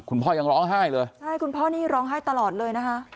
คุณพ่อยังร้องไห้เลยใช่คุณพ่อนี่ร้องไห้ตลอดเลยนะคะ